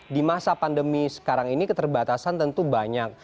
di masa pandemi sekarang ini keterbatasan tentu banyak